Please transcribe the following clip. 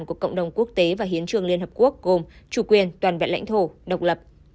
của cộng đồng quốc tế và hiến trường liên hợp quốc gồm chủ quyền toàn vẹn lãnh thổ độc lập